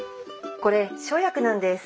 これ生薬なんです。